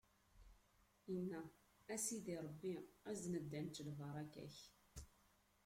inna: A Sidi Ṛebbi, azen-d ad nečč lbaṛaka-k!